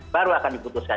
baru akan diputuskan